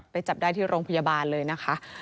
จับได้ที่โรงพยาบาลเลยนะคะ